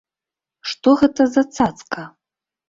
Што гэта за цацка?